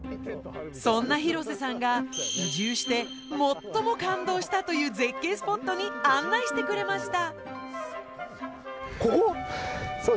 そんな広瀬さんが移住して最も感動したという絶景スポットに案内してくれました。